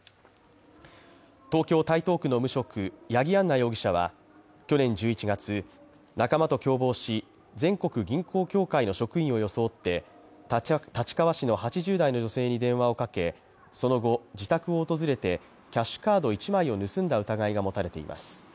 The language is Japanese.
東京・台東区の無職、八木杏奈容疑者は去年１１月、仲間と共謀し、全国銀行協会の職員を装って立川市の８０代の女性に電話をかけ、その後自宅を訪れてキャッシュカード１枚を盗んだ疑いが持たれています。